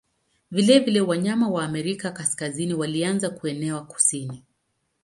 Vilevile wanyama wa Amerika Kaskazini walianza kuenea kusini.